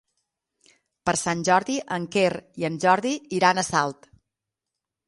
Per Sant Jordi en Quer i en Jordi iran a Salt.